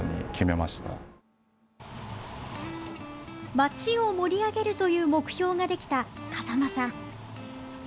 町を盛り上げるという目標ができた風間さん。